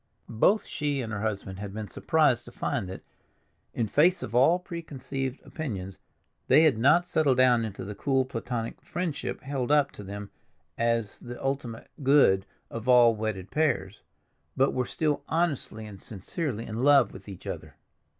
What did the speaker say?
Both she and her husband had been surprised to find that, in face of all preconceived opinions, they had not settled down into the cool, platonic friendship held up to them as the ultimate good of all wedded pairs, but were still honestly and sincerely in love with each other.